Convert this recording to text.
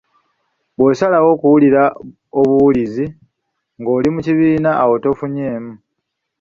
Bw’osalawo okuwulira obuwulizi ng’oli mu kibiina awo tofunyeemu.